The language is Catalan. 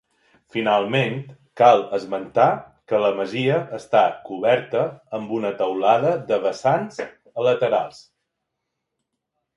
Finalment, cal esmentar que la masia està coberta amb una teulada de vessants a laterals.